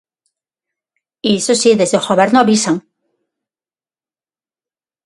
Iso si, desde o Goberno avisan.